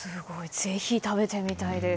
ぜひ食べてみたいです。